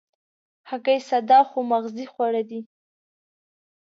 هګۍ ساده خو مغذي خواړه دي.